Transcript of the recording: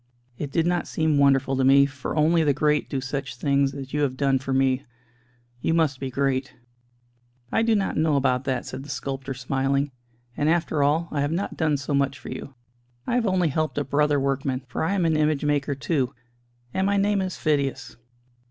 It did not seem wonderful to me, for only the great do such things as you have done for me. You must be great." "I do not know about that," said the sculptor, smiling, "and after all, I have not done so much for you. I have only helped a brother workman: for I am an image maker too and my name is Phidias."